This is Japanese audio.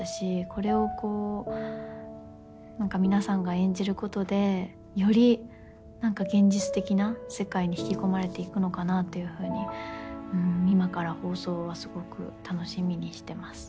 これを皆さんが演じることでより現実的な世界に引き込まれていくのかなって今から放送はすごく楽しみにしてます。